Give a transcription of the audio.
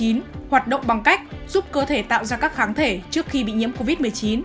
vắc xin phòng covid một mươi chín hoạt động bằng cách giúp cơ thể tạo ra các kháng thể trước khi bị nhiễm covid một mươi chín